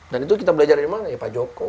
dan itu kita belajar dari mana ya pak joko